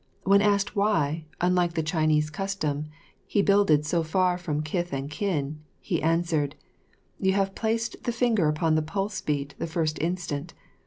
When asked why, unlike the Chinese custom, he builded so far from kith and kin, he answered, "You have placed the finger upon the pulse beat the first instant.